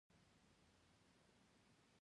کابل د افغانستان په طبیعت کې یو خورا مهم رول لري.